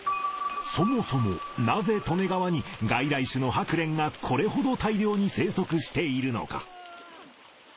そもそもなぜ利根川に外来種のハクレンがこれほど大量に生息しているのか。